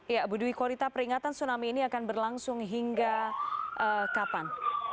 ya bu dwi korita peringatan tsunami ini akan berlangsung hingga kapan